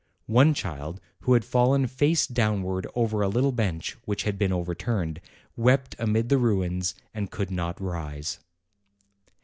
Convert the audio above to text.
One child, who had fallen face downward over a little bench which had been overturned, wept amid the ruins, and could not rise.